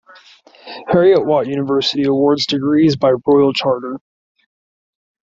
Heriot-Watt University awards degrees by Royal Charter.